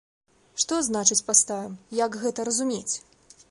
Што значыць паставім, як гэта разумець?